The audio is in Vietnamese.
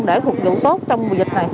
để phục vụ tốt trong dịch này